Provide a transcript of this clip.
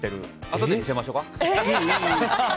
あとで見せましょうか。